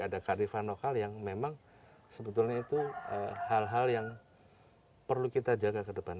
ada karifan lokal yang memang sebetulnya itu hal hal yang perlu kita jaga ke depan